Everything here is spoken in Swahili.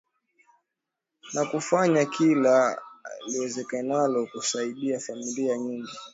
na kufanya kila liwezekanalo kusaidia familia nyingi